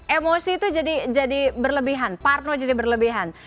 emosi itu jadi berlebihan parno jadi berlebihan